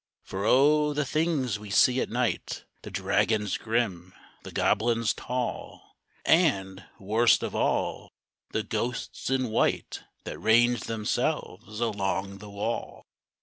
For O! the things we see at night The dragons grim, the goblins tall, And, worst of all, the ghosts in white That range themselves along the wall!